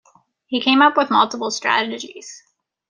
He came up with multiple strategies.